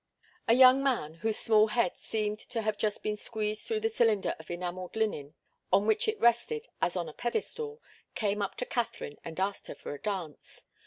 A young man, whose small head seemed to have just been squeezed through the cylinder of enamelled linen on which it rested as on a pedestal, came up to Katharine and asked her for a dance.